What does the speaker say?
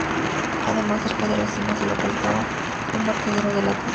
Además, cerca de la cima se localiza un vertedero de latas de conserva.